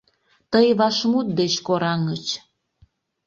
Тый вашмут деч кораҥыч.